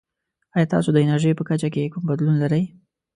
ایا تاسو د انرژي په کچه کې کوم بدلون لرئ؟